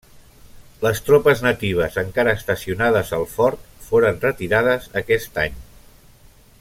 Les tropes natives encara estacionades al fort foren retirades aquest any.